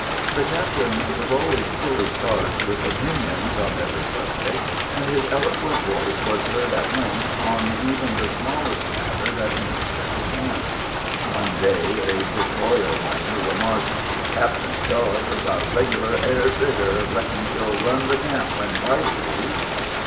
The captain was always fully charged with opinions on every subject, and his eloquent voice was heard at length on even the smallest matter that interested the camp. One day a disloyal miner remarked: "Captain's jaw is a reg'lar air trigger; reckon he'll run the camp when Whitey leaves."